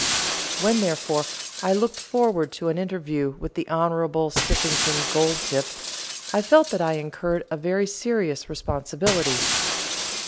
When, therefore, I looked forward to an interview with the Honourable Spiffington Goldtip, I felt that I incurred a very serious responsibility.